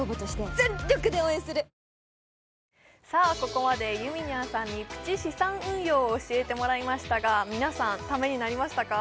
ここまでゆみにゃんさんにプチ資産運用を教えてもらいましたが皆さんためになりましたか？